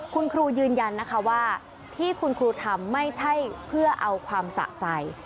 คุณครูยืนยันนะคะว่าที่คุณครูทำไม่ใช่เพื่อเอาความสะใจ